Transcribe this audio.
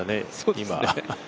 今。